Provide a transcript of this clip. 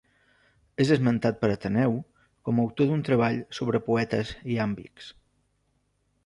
És esmentat per Ateneu com a autor d'un treball sobre poetes iàmbics.